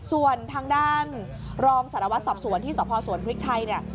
ส่วนทางด้านรอมศาลวัฒน์สอบสวนที่สอบภาวสวนพลิกไทยเนี้ย